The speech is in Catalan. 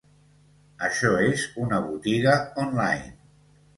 Això és una botiga online.